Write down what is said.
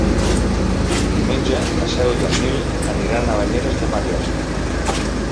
Diumenge na Cel i en Nil aniran a Banyeres de Mariola.